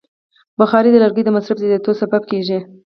بخاري د لرګیو د مصرف زیاتیدو سبب کېږي.